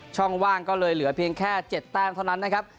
ช่องว่างก็เลยเหลือเพียงแค่๗แต้มเท่านั้นนะครับ